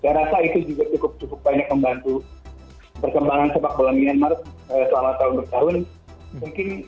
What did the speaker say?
saya rasa itu juga cukup cukup banyak membantu perkembangan sepak bola myanmar selama tahun ke tahun